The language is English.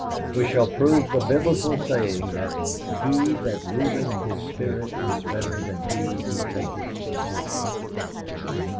We shall prove the Biblical saying that "He that ruleth his spirit is better than he who taketh a city."